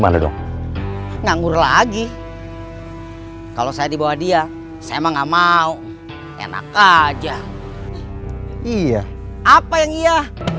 mana dong nganggur lagi kalau saya dibawa dia saya mau nggak mau enak aja iya apa yang iya